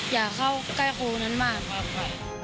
อย่าเข้าใกล้ครูนั้นมาก